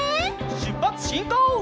しゅっぱつしんこう！